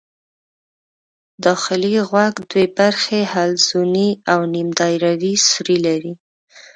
داخلي غوږ دوې برخې حلزوني او نیم دایروي سوري لري.